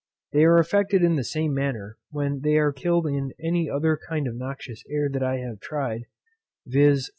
They are affected in the same manner, when they are killed in any other kind of noxious air that I have tried, viz.